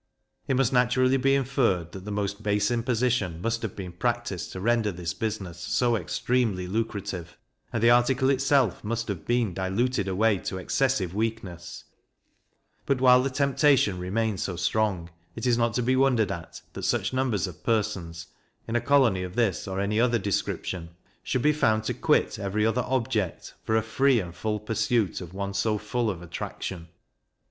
It must naturally be inferred, that the most base imposition must have been practised to render this business so extremely lucrative, and the article itself must have been diluted away to excessive weakness; but while the temptation remained so strong, it is not to be wondered at that such numbers of persons, in a colony of this or any other description, should be found to quit every other object for a free and full pursuit of one so full of attraction.